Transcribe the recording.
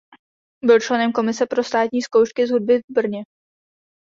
Byl členem komise pro státní zkoušky z hudby v Brně.